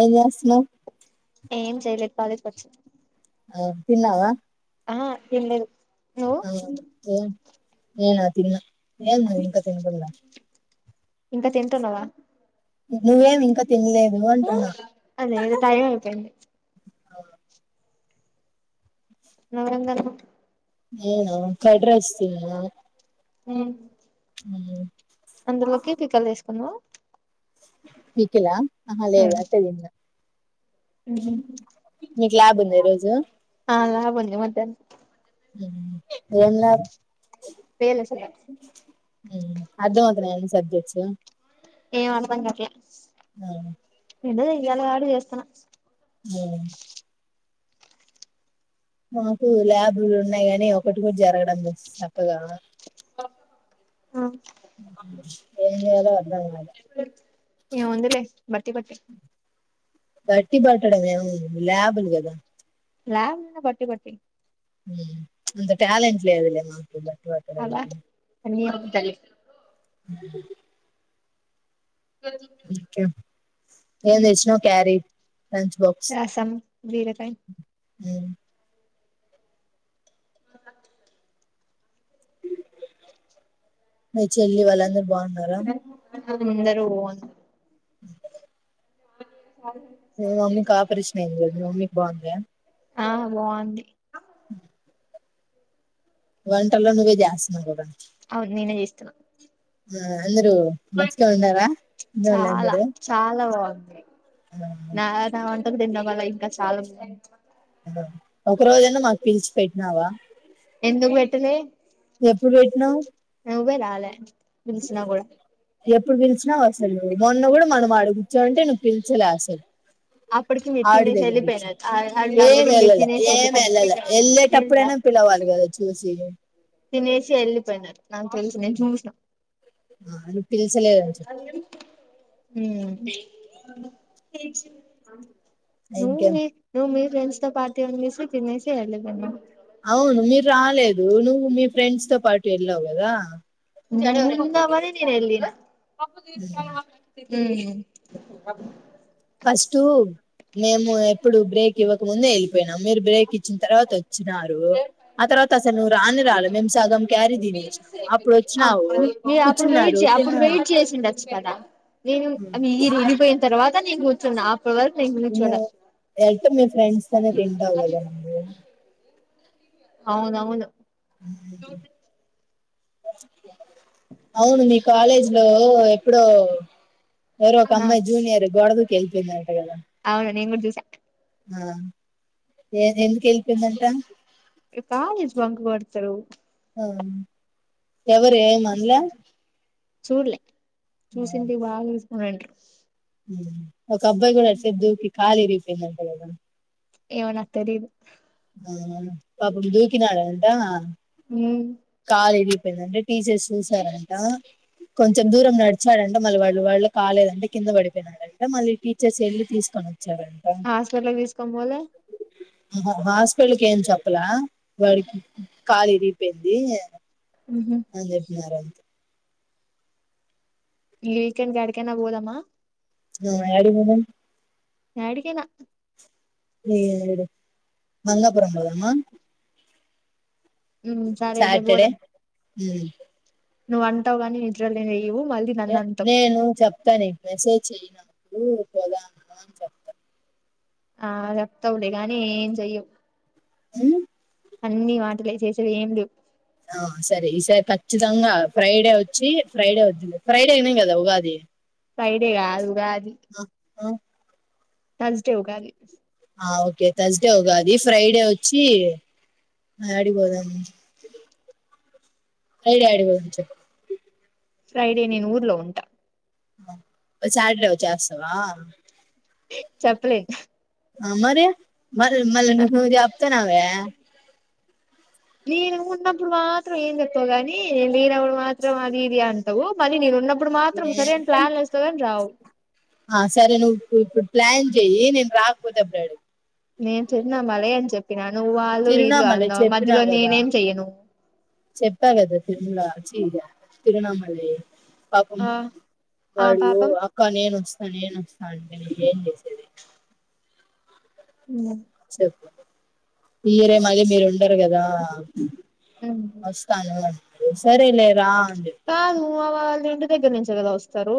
ఎం చేస్తున్నావ్? ఏం చేయలేదు కాలేజీకి వచ్చిన ఆ తిన్నావా? ఆ తినలేదు నువ్వు ఆ ఏం నేనా తిన్నా లేదు ఇంకా తింటున్న ఇంకా తింటున్నావా నువ్వేమి ఇంకా తినలేదు అంటున్నా అదే ఇది టైం అయిపోయింది నువేం గను నేనా ఫ్రైడ్ రైస్ తిన్న ఉమ్ అమ్మో అందులోకి పికల్ తీసుకున్నావ పికల ఆహా లేదు అటి తిన్న ఊహు మీకు ల్యాబ్ ఉందా ఈ రోజు అ ల్యాబ్ ఉంది మధ్యాహ్నం ఉమ్ ఎం ల్యాబ్ వేలు అసలు ఊ అర్ధం అవుతా లేదండి సబ్జక్ట్స్ ఎం అర్థంకాట్లే అవును ఏదో చేయాలి కాబట్టి చేస్తన్న ఒ మాకు ల్యాబులు ఉన్నాయి గాని ఒకటి కూడా జరగడం లేదు సక్కగా ఆ ఎం చేయాలో అర్థంకాలే ఏముందిలే బట్టి బట్టి బట్టి బట్టడం ఎం ఉంది ల్యాబ్ లు కదా ల్యాబ్ అయినా బట్టి పట్టి ఉమ్ ప్చ్ అంత టాలెంట్ లేదులే మా ఇగ అలా అన్యాయం తల్లి ఇంకా ఎం తెచ్చినవు క్యారీ లంచ్ రాసం బీరకాయ్ ఉమ్ మీ చెల్లి వాళ్ళందరు బావున్నారా అందరు బావున్నారు మీ మమ్మీకి ఆపరేషన్ ఐంది కదా మీ మమ్మీకి బావుందా ఆ బావుంది ఉ వంటలు నువ్వే జేస్తున్నావు కదా అవును నేనే చేస్తున్నా అందరూ మంచిగా ఉన్నారా చాలా వాళ్ళందరూ చాలా బావుంది [unintelligible] ఇంకా చాలా బావుంది ఒక రోజు అన్న మాకు పిలిచి పెట్టినావా ఎందుకు పెట్టాలె ఎప్పుడు పెట్టినావు నువ్వే రాలె లే పిలిసిన కూడా ఎప్పుడు పిలిచినావు అసలు మొన్న కూడా మనం ఆడ కూర్చోనుంటే నువ్వు పిలిచలే అసలు అప్పటికి మీరు ఆడ్ తినేసి దెగర కుర్చో వెళ్ళిపోయినారు ఎం ఆల్రెడీ మీరు వెళ్ళలే తినేసి ఏం వెళ్ళలే వెళ్ళేటపుడు అయినా వెళ్ళిపోయినారు పిలవ వాళ్ళు వేరే చూసి తినేసి వెళ్లిపోయినారు నాకు తెలుసు నేను చూసిన నువ్వు పిలిచలేదని చెప్పు ఉమ్ ను ఇంకేం మీర్ ను మీర్ ఫ్రెండ్సతో పార్టీ ఉండేసి తిన్నేసి వెళ్ళి పోయినం అవును మీరు రాలేదు నువ్వు మీ ఫ్రెండ్స్ తో పాటు ఎళ్ళావు గదా నేను ఉందామని నేన్నేళ్లిన మ్ ఫస్టు మేము ఎప్పుడు బ్రేక్ ఇవ్వకముందే ఎళ్ళిపోయిన నం మీరు బ్రేక్ ఇచ్చిన తర్వాత ఒచ్చినారు ఆ తర్వాత అసలు నువ్వు రానే రాలె మేము సగం క్యారీ తినె అ మి మీ అప్పుడు వెయిట్ కూర్చున్నారు చెయ్ తిన అప్పుడు వెయిట్ చేసుండొచ్చు కదా? నేను మీరు ఎళ్ళిపోయిన తర్వాత నేను కూర్చున్న అప్ ఇను ఐతె మీ ఫ్రెండ్స్ తొనే తింటావ్ గదా నువ్వు అవునవును అవును మీ కాలేజ్ లో ఎవ ఎప్పుడో ఎవరొ ఒక ఆ అమ్మాయి జూనియర్ గొడ దూకి ఎళ్ళిపొయిందట గదా అవును నెన్ గుడ జుసా ఆ ఏది ఎందుక్ ఎళ్ళిపోయిందంట? ఇ కాలేజ్ బంక్ కొడ్తరు ఎవరేమన్ల చూడ్లే చూసుంటె బాగా ఎసుకునుంట్రు ఉమ్ ఒక అబ్బాయి గూడ సిద్ధుకి కాలి ఇరిగిపోయిందంట గదా ఏమో నాకు తెలీదు ఆహా పాపం దూకి నాడంటా ఉమ్ కాల్ ఇరిగిపోయిందంట టీచర్స్ చూసారంటా కొంచెం దూరం నడిచాడంట మళ్ళ వాళ్ళు వాళ్ళ కాలేదంటె కింద పడిపోయినాడంట మళ్ళీ టీచర్స్ ఎళ్ళి తీసుకొని ఒ హాస్పటల్ తీసుకొన్ పొలె అహ హాస్పిటల్కి ఏం చెప్పలా వాడికి కాలు ఇరిగిపోయింది ఉహు అని చెప్పినారంతె వీకెండ్ కి యాడికైనా పోదమా? ఆ యాడిక్ పోదం యాడికైనా [unintelligible] యాడికి మంగలాపురం పోదమా? ఉమ్ సాటర్డే పోదం ఉమ్ నువ్ అంటవ్ గనీ నిద్రలె లే ఎహ్ నేను చెప్త నికు మెసేజ్ చెయ్యి నాకు పోదామా అని చెప్త ఆ చెప్తవులె గానీ ఏం జేయ్యవ్ ఉమ్ అన్నీ మాటిలె చేసేవి ఏం లేవు ఆ సరె ఈసారి ఖచ్చితంగా ఫ్రైడే వచ్చి ఫ్రైడే వద్దులే ఫ్రైడేనే గదా ఉగాది ఫ్రైడే గాదు ఉగాది అ థర్స్డే ఉగాది ఆ ఓకె థర్స్డే ఉగాది ఫ్రైడే వచ్చి యాడిక్ పోదాం ఫ్రైడే యాడిపోదం చెప్ ఫ్రైడే నేను ఊర్లో ఉంట ఒ సాటర్డే ఒచ్చేస్తవా చెప్పలేన్ ఉహ్ ఆ మరి మరి మల్ నువ్వు చెప్తనవే నేను ఉన్నప్పుడు మాత్రం ఏం చెప్పవు గని లేనప్పుడు మాత్రం అది ఇది అంటవు మళ్ళి నేను ఉన్నప్ ఇప్పుడు మాత్రం ఏంలే సరే అని ప్లాన్లేస్తవ్ కని రావు ఇపు ఇప్పుడు ప్లాన్ జేయ్యి నేను రాకపోతే అప్పుడడుగు నేన్ చేసిన మళ్ళే అని చెప్పినా నువ్వు వాళ్ళు వీళ్ళు తిరువణామలై అన్నవ్ మధ్యలో నేనేం చెయ్యను. చెప్ప కదా తిర్ముల చీ తిరుణమలెయ్ పాపం ఆ ఆ వాడు పాపం అక్క నేను ఓస్ అక్క నెన్ అస్త అంటే ఏం చేసేది చెప్ మీరే మీరు ఉండరు కదా వస్తాను సరేలేరా కాదు ఆ వాళ ఇంటి దగ్గర నుంచి కదా వస్తారు.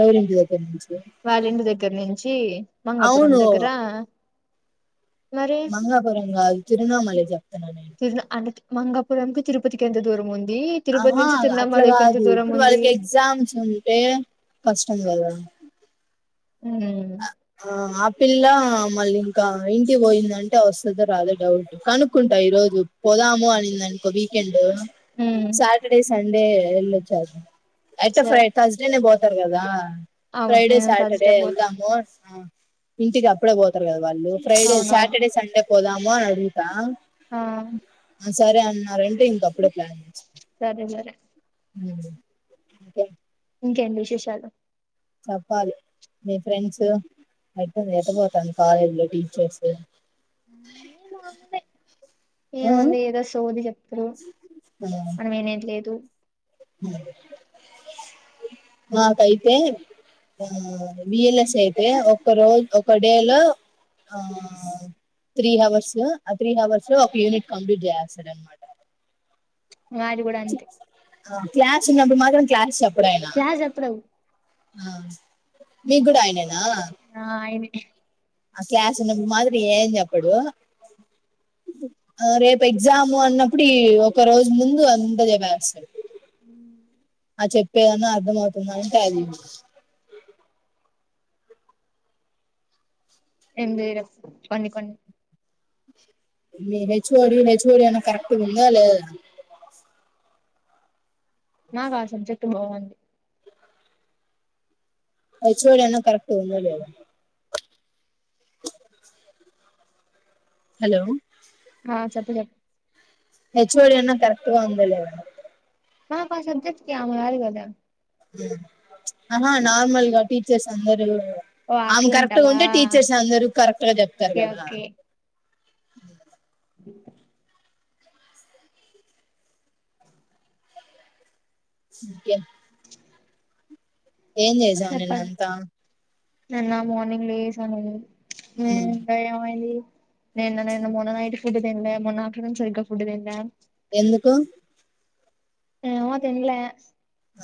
ఎవర్ ఇంటి దగ్గర్ నుంచ్ వాళ్ళింటి దగ్గర నుంచి మంగపురం అవును దగ్గర మరి మంగాపురం కాదు తిరుణమలే చెప్తున్నా నేను మంగాపపురం తిరుతికి ఎంత దూర ఉం ఆహువా అట్లా కాదు ఇప్పుడు ఉంది వాళ్ళకి ఎగ్జామ్స్ ఉంటే పస్ [unintelligible] ముహు ఆ ఆపిల్లా మళ్ళీ ఇంకా ఇంటి పోయిందంటే వస్తదో రాదొ డౌట్ కనుక్కుంట ఈరోజు పోదాము అనిందినుకో వీకెండ్ ఉమ్ సాటర్డే సండే ఎల్లిచ్చారు అయితే సరే తర్స్ డేనె పో పోతరు కదా అవును ఫ్రైడే నేను సాటర్డే థర్స్డే పోతా ఎల్దము ఆ ఇంటికి అప్పుడే పోతారు కదా వాళ్ళు. ఫ్రైడే అవునవును సాటర్డే సండే పోదాము అని అడుగుతా. ఆ ఆ సరే అన్నారంటే ఇంక అప్పుడే ప్లాన్ సరే సరే మ్ ఇంకా ఇంకేంటి విశేషాలు చెప్పాలి మీ ఫ్రెండ్స్ అయితే ఏట్ట పోతాను కాలేజ్ లో టీచర్స్ ఏముంది ఏదో సోది చెప్తా ఆ మనం ఇనేది లేదు మాకైతే ఆ విఎల్ఎస్ అయితే ఒక రోజ్ ఒక డే లో ఆ త్రీ హవర్స్ లో ఆ త్రీ అవర్స్ ఒక యూనిట్ కంప్లీట్ జెయస్తార అనమాట. వాడు కూడా అంతే క్లాస్ ఉన్నప్పుడు మాత్రం క్లాస్ చెప్ క్లాస్ అప్పుడు ఆ మీ కూడా ఆయనేనా ఆ ఆయనే ఆ క్లాస్ ఉన్నపుడు మాత్రం ఏం చెప్పడు అ రేపు ఎగ్జాము అన్నప్పుడు ఇ ఒక రోజు ముందు అంతజబేస్తడు. ఆ చెప్పేదన్నా అర్థ అవుతుంద అంటే అదిల్ ఎనిడ పన్ని కొన్ని మీ హెచ్ఓడి హెచ్ఓడి అన్న కరెక్ట్ ఉంద లేద మాక్ ఆ సబ్జెట్ బాగుంది. హెచ్ఓడి అన్న కరెక్ట్ ఉందొ లేదో హలో ఆ చెప్పలే హెచ్ఓడి అన్న కరెక్ట్ గా ఉందొ లేదో మాక్ ఆ సబ్జెక్ట్ కి ఆమేకాదు కద అహా నార్మల్ గా టీచర్స్ అందరు ఓ ఆమె కరెక్ట్ గా అట్లంటావా ఉంటే టీచర్స్ అందరు కరెక్ట్ గా చెప్తారు ఓకే కదా ఓకే ఇంకేం ఏం చేసావు చెప్పండి నిన్నంతా నిన్న మార్నింగ్ లేసాను ఉమ్, మ్మ్ బయమైంది నిన్న నేన్ మోన్న నైట్ ఫుడ్డు దినలే మొన్న ఆఫ్టర్నూన్ సరిగ్గా ఫుడ్డు దినలే ఎందుకు ఏమో తిన్లా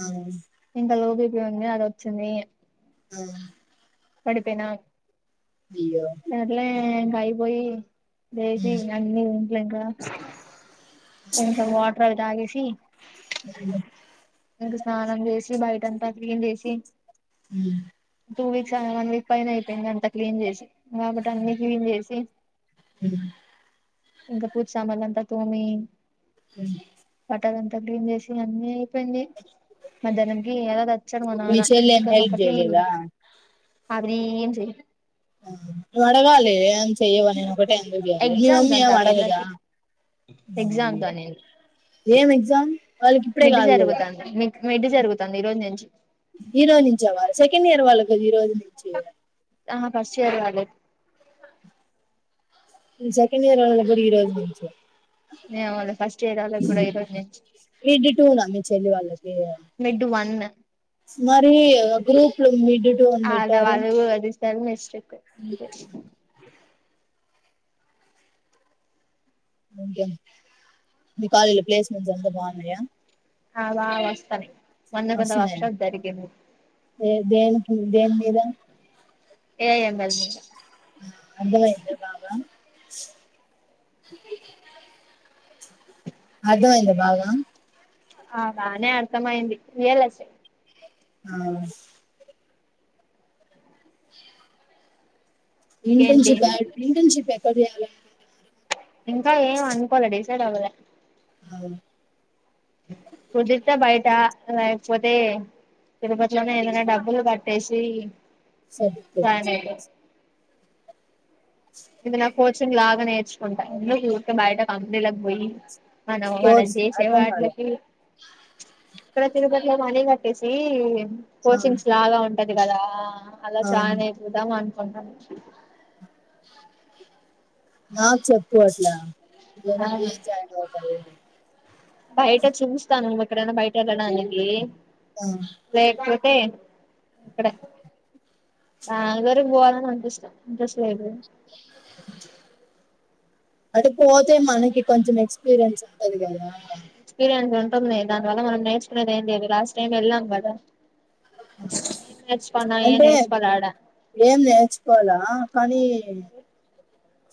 ఆవును ఎముంది అది ఓచ్చింది ఆ పడిపేన అయ్యో సర్లే ఇంకా ఐపోయి లేసి ఉమ్, నన్ని ఇంట్ల ఇంకా కొంచెం వాటర్ అవి తాగేసి ఇంక స్నానం జేసి బయటంతా క్లీన్ జేసి టూ వీక్స్ ఆ వన్ వీక్ పైన అయి పెంద్ అంతా క్లీన్ జేసి మాపటి అన్ని క్లీన్ జేసి ఇంకా పూజసమలంతా తోమి మ్మ్ అదంతా క్లీన్ జేసి అన్నీ పోయింది మధ్యానంకి ఎదొ తెచ్చాడు మా మీ నాన్న చెల్లి ఏం చికెన్ హెల్ప్ ఒకటి చేయలేదా అవిరీమ్ చి ఆ నువు అడగాలే ఏం చెయ్యవని మీ ఎగ్జామ్స్ మమ్మీ అంట ఏం ఆ అడగదా పిల్లకి ఎగ్జామ్స్ అనింది ఏం ఎగ్జామ్ వాళ్ళకిప్పుడే కాదు గదా మీడ్డి జరుగుతంది ఈరోజు నుంచి ఈ రోజు నుంచా వాళ్లు సెకండ్ ఇయర్ వాళ్ళ గద ఈ రోజు నుంచి ఆహా ఫస్ట్ ఇయర్ వాళ్ళకి ఉ సేకండియర్ వాళ్ళకి గుడ ఈరోజు నించే ఏమోలే ఫస్ట్ ఇయర్ ఓలాగుడా ఇరోజ్ నించి మిడ్ టు నా మీ చెల్లి వాళ్ళకి మిడ్ వన్ మరి గ్రూప్లు మీడ్ టూ అన్ బేట్టారు టెల్ మిస్టేక్ అంతే ఇంకేంద మీ కాలేజ్ లో ప్లేస్మెంట్స్ అంత బాగున్నాయ ఆ బాగా ఓస్తనయ్ మొన్న కొంద వర్క్ వస్తున్నాయా షాప్ జరిగింది ఏ దేన్ కి దేన్ మీద ఏఐఎంఎల్ మిద ఆ అందమైంద పాపం అర్థమైంద బాగా ఆ బానే అర్థమయింది రియలసే ఆ ఇంకేంటి ఇంటర్న్షిప్ ఆడ్ ఇంటర్న్షిప్ ఎక్కడ జేయాలి అన్కుంటున్నారు ఇంకా యేం అన్కోలే డిసైడ్ అవ్వలే అవు కుదితె బయటా లేకపోతే తిరుపతిలనే ఏదన్నా డబ్బులు గాట్టేసి సరి పోద్ ఈ స్నాక్స్ ఇది నా కోచింగ్ లాగా నేర్చుకుంటా ఎందుకు ఊకే బయట కంపెనీలక్ వోయి మనం మనం కోర్స్ చేసే అర్థం కాలే వాట్లకి ప్చ్ ఇక్కడ తిరుప ఇగ మనీ గాట్టేసి ఆ కోచింగ్స్ లాగా ఉంటది గదా అ అలా ఆ జనయ్ చూదాం అనుకుంటాన్న మాక్స్ ఎక్కు వస్ ల ఆ ఇంకేమన్నా ది జాయిన్ అవుతారు బయట చూస్తాను ఎక్కడైనా బయట ఏళ్ళడానికి లేకపోతే ఇక్కడ నల్వరిక్ బొవలన్ అనిపిస్ ఇంట్రెస్ట్ లేదు అంటే పోతే మనకి కొంచెం ఎక్స్పీరియన్స్ ఉంటది గదా ఎక్స్పీరియన్స్ ఉంటుంది దానివల్ల మనం నేర్చుకునేది ఏంలేదు లాస్ట్ టైం వెళ్ళాం గదా అంటే నేర్చుకోలే ఆడ ఏం నేర్చుకోలా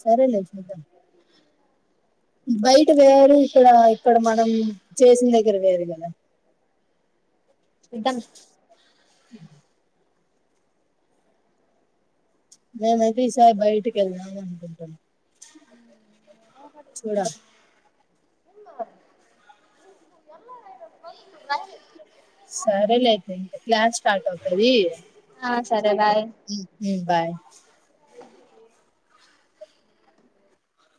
సరేలే చూద్దాం బయట వేరు ఇక్కడ ఇక్కడ మనం చేసిన దగ్గర వేరు గదా చూద్దాం నేనైతే ఈసరి బయటికి వెళ్దాము అనుకుంటా చూడాలి సరేలె అయితే క్లాస్ స్టార్ట్ అవుతది ఆ సరే బాయ్ ఉ బాయ్